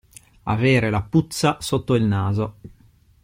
Avere la puzza sotto il naso.